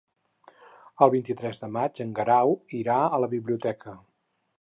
El vint-i-tres de maig en Guerau irà a la biblioteca.